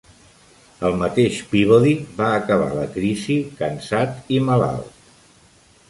El mateix Peabody va acabar la crisi cansat i malalt.